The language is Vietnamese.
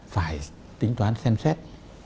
phải tính toán xem xét